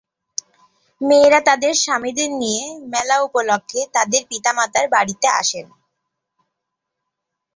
মেয়েরা তাদের স্বামীদের নিয়ে মেলা উপলক্ষে তাদের পিতা-মাতার বাড়িতে আসেন।